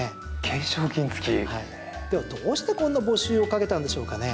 では、どうしてこんな募集をかけたんでしょうかね？